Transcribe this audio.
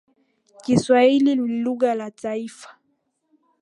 Kiswahili ni lugha ya taifa.